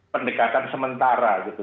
pendekatan sementara gitu